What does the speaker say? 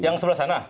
yang sebelah sana